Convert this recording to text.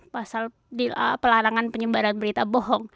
pasal pelarangan penyebaran berita bohong